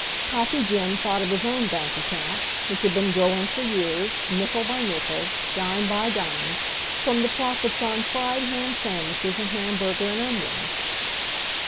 Coffee Jim thought of his own bank ac count, which had been growing for years, nickel by nickel, dime by dime, from the profits on fried ham sandwiches and hamburger and onions.